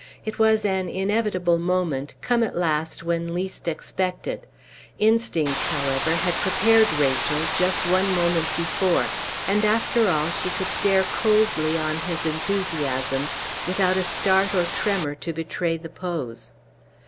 It was an inevitable moment, come at last when least expected; instinct, however, had prepared Rachel, just one moment before; and after all she could stare coldly on his enthusiasm, without a start or a tremor to betray the pose.